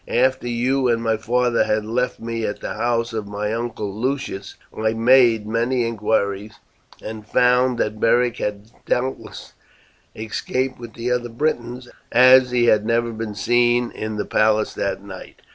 After you and my father had left me at the house of my uncle Lucius I made many inquiries, and found that Beric had doubtless escaped with the other Britons, as he had never been seen in the palace that night.